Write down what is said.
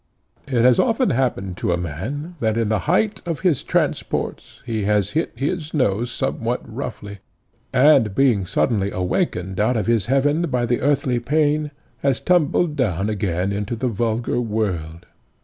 It has often happened to a man that in the height of his transports he has hit his nose somewhat roughly, and, being suddenly awakened out of his heaven by the earthly pain, has tumbled down again into the vulgar world.